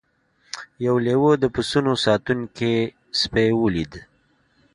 یو لیوه د پسونو ساتونکی سپی ولید.